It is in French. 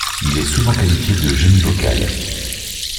Il est souvent qualifié de génie vocal.